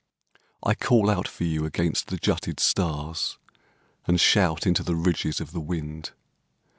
I call out for you against the jutted stars And shout into the ridges of the wind.